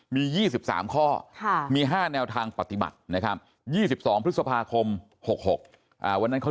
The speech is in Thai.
มี๒๓ข้อมี๕แนวทางปฏิบัตินะครับ๒๒พฤษภาคม๖๖วันนั้นเขา